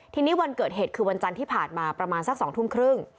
ทีนี้วันเกิดเหตุคือวันจันทร์ที่ผ่านมาประมาณสัก๒ทุ่มครึ่ง